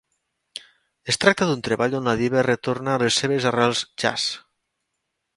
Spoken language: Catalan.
Es tracta d’un treball on la diva retorna a les seves arrels jazz.